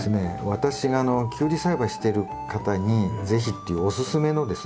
私がキュウリ栽培をしている方に是非っていうおすすめのですね